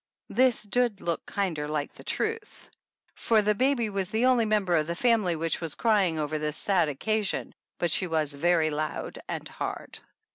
This did look kinder like the truth, for the baby was the only member of the family which was crying over this sad occasion ; but she was very loud and hard.